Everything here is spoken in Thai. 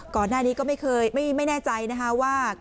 ก่อนหน้านี้ก็ไม่เคยไม่แน่ใจนะคะว่า